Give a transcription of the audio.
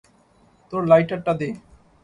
তোর লাইটার টা দে!